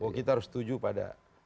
bahwa kita harus setuju pada